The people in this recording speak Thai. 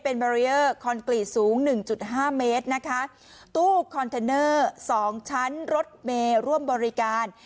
เป็นสูงหนึ่งจุดห้าเมตรนะคะตู้สองชั้นรถเมล์ร่วมบริการ